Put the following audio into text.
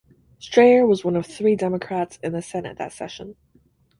Strayer was one of three Democrats in the senate that session.